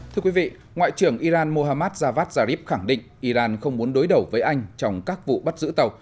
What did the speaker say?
thưa quý vị ngoại trưởng iran mohammad javad zarif khẳng định iran không muốn đối đầu với anh trong các vụ bắt giữ tàu